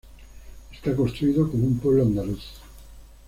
Está construido como un pueblo andaluz.